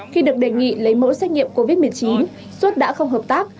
khi được đề nghị lấy mẫu xét nghiệm covid một mươi chín xuất đã không hợp tác